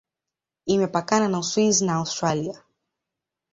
Imepakana na Uswisi na Austria.